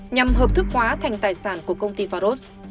nhằm hợp thức hóa thành tài sản của công ty faros